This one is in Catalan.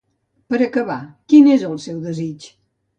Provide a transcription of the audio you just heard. Per acabar, quin és el seu desig?